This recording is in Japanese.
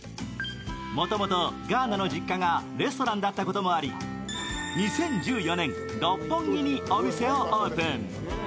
もともとガーナの実家がレストランだったこともあり２０１４年、六本木にお店をオープン。